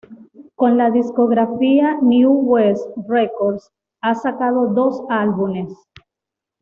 Con la discográfica New West Records ha sacado dos álbumes.